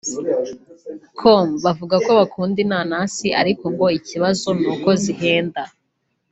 com bavuga ko bakunda inanasi ariko ngo ikibazo nuko zihenda